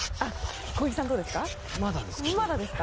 小木さん、どうですか？